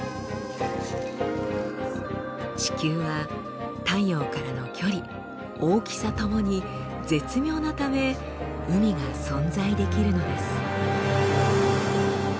地球は太陽からの距離大きさともに絶妙なため海が存在できるのです。